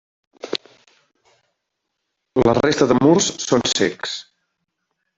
La resta de murs són cecs.